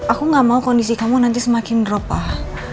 aku nggak mau kondisi kamu nanti semakin drop ah